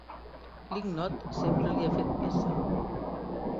L'ignot sempre li ha fet peça.